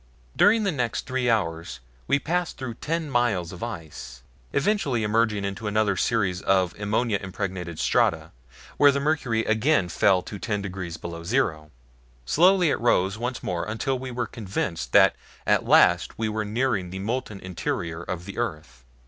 During the next three hours we passed through ten miles of ice, eventually emerging into another series of ammonia impregnated strata, where the mercury again fell to ten degrees below zero. Slowly it rose once more until we were convinced that at last we were nearing the molten interior of the earth.